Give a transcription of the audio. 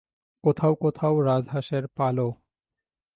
কোথাও কোথাও রাজহাঁসের পালও।